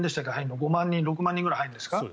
５万人、６万人くらい入るんですか？